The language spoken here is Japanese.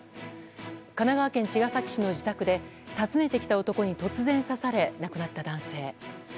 神奈川県茅ヶ崎市の自宅で訪ねてきた男に突然刺され亡くなった男性。